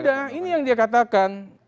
sudah ini yang dikatakan